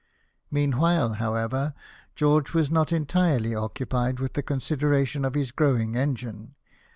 M eanwhile, however, George was not entirely occupied with the consideration of his growing engine.